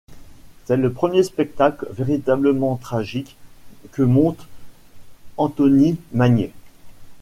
C’est le premier spectacle véritablement tragique que monte Anthony Magnier.